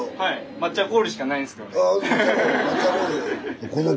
抹茶氷しかないんですけどね。